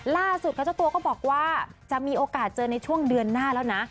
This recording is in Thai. ล่าสุดค่ะเจ้าตัวก็บอกว่าจะมีโอกาสเจอในช่วงเดือนหน้าแล้วนะ